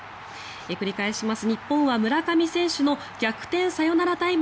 繰り返します。